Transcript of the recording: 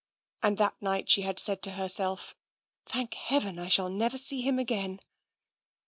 And that night she had said to herself: " Thank Heaven, I shall never see him again !